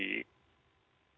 bagaimana proses belajar mengajar